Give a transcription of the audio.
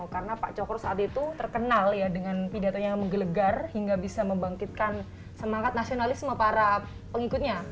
karena pak cokro saat itu terkenal ya dengan pidato yang menggelegar hingga bisa membangkitkan semangat nasionalisme para pengikutnya